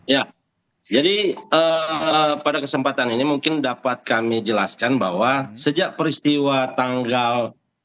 ya jadi pada kesempatan ini mungkin dapat kami jelaskan bahwa sejak peristiwa tanggal